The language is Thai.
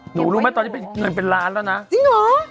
หนูรู้ไหมตอนนี้เงินเป็นล้านแล้วนะจริงอ๋อ